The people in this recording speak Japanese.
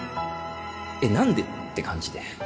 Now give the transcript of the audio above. えっ何で？って感じで